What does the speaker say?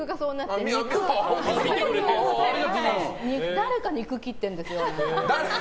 誰か肉切ってるんですよ。